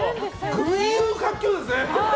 群雄割拠ですね。